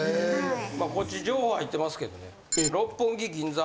まあこっち情報入ってますけどね。